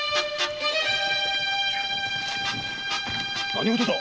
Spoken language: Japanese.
何事だ！？